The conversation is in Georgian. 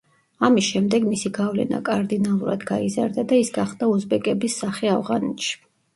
ამის შემდეგ მისი გავლენა კარდინალურად გაიზარდა და ის გახდა უზბეკების სახე ავღანეთში.